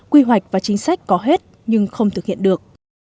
quy hoạch và chính sách có hết nhưng không thực hiện được